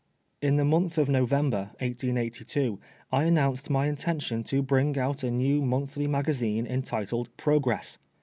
Ik the month of November (1882) I announced my intention to bring out a new monthly magazine entitled Progress.